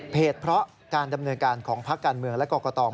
เพราะเพราะการดำเนินการของภาคการเมืองและกรกฎอง